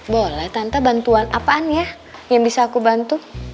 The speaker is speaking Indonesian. boleh tante bantuan apaan ya yang bisa aku bantu